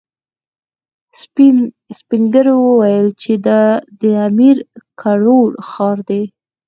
سپين ږيرو ويل چې دا د امير کروړ ښار و.